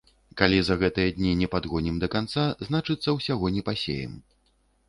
Калі за гэтыя дні не падгонім да канца, значыцца, усяго не пасеем.